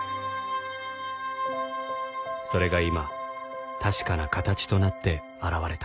それが今確かな形となって現れた